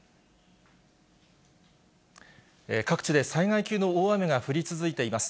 各地で災害級の大雨が降り続いています。